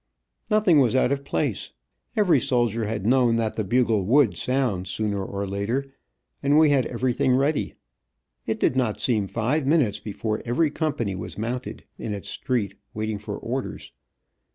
Nothing was out of place. Every soldier had known that the bugle would sound sooner or later, and we had everything ready. It did not seem five minutes before every company was mounted, in its street, waiting for orders.